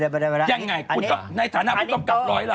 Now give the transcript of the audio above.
ยังไงในฐานะไม่ต้องกลับร้อยละ